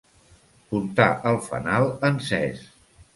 Portar el fanal encès.